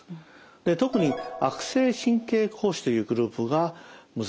で特に悪性神経膠腫というグループが難しいですね。